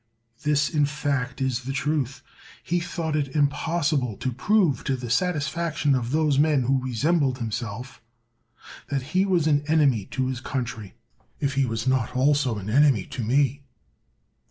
This, in fact, is the truth. He thought it impossible to prove to the satisfaction of those men who resembled him self, that he was an enemy to his country, if he 170 CICERO was not also an enemy to me.